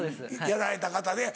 やられた方で。